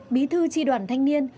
bí thư tri đoàn thanh niên